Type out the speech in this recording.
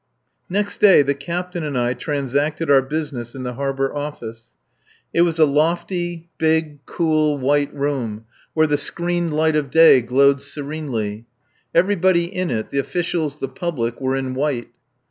Next day the Captain and I transacted our business in the Harbour Office. It was a lofty, big, cool, white room, where the screened light of day glowed serenely. Everybody in it the officials, the public were in white.